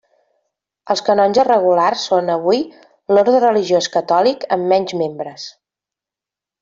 Els canonges regulars són, avui, l'orde religiós catòlic amb menys membres.